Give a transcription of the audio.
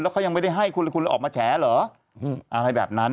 เขายังไม่ได้ให้คุณเลยคุณออกมาแฉเหรออะไรแบบนั้น